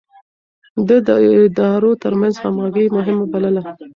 ده د ادارو ترمنځ همغږي مهمه بلله.